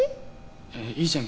いいじゃん